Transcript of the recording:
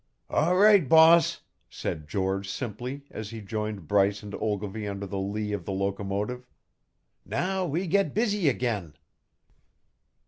"All right, boss," said George simply as he joined Bryce and Ogilvy under the lee of the locomotive. "Now we get busy again."